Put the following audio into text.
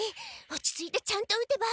落ち着いてちゃんと打てば。